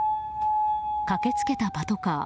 駆けつけたパトカー。